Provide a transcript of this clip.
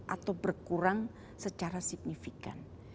atau berkurang secara signifikan